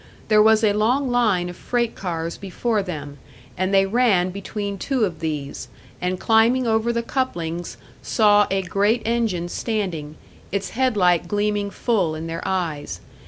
There was a long line of freight cars before them, and they ran between two of these, and climbing over the couplings, saw a great engine standing, its headlight gleaming full in their eyes.